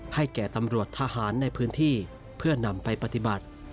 แก่ตำรวจทหารในพื้นที่เพื่อนำไปปฏิบัติ